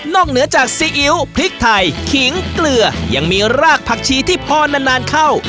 เหนือจากซีอิ๊วพริกไทยขิงเกลือยังมีรากผักชีที่พอนานเข้า